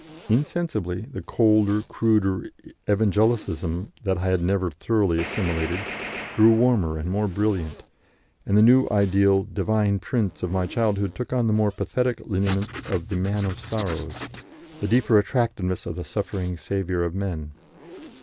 Insensibly, the colder, cruder Evangelicalism that I had never thoroughly assimilated, grew warmer and more brilliant, and the ideal Divine Prince of my childhood took on the more pathetic lineaments of the Man of Sorrows, the deeper attractiveness of the suffering Saviour of Men.